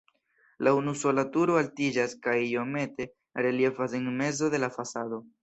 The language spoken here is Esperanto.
La unusola turo altiĝas kaj iomete reliefas en mezo de la fasado.